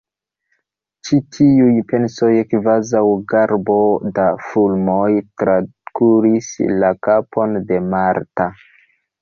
Ĉi tiuj pensoj kvazaŭ garbo da fulmoj trakuris la kapon de Marta.